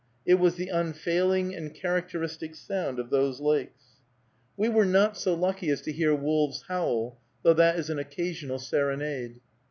It was the unfailing and characteristic sound of those lakes. We were not so lucky as to hear wolves howl, though that is an occasional serenade.